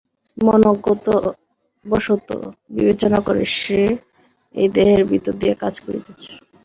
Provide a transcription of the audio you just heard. মন অজ্ঞতাবশত বিবেচনা করে, সে এই দেহের ভিতর দিয়া কাজ করিতেছে।